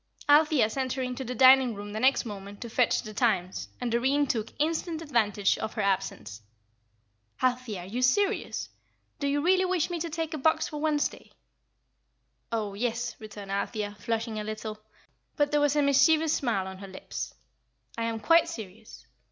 Althea sent her into the dining room the next moment to fetch the Times and Doreen took instant advantage of her absence. "Althea, are you serious? Do you really wish me to take a box for Wednesday?" "Oh, yes," returned Althea, flushing a little; but there was a mischievous smile on her lips, "I am quite serious.